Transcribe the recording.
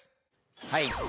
はい。